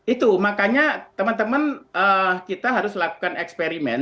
itu makanya teman teman kita harus lakukan eksperimen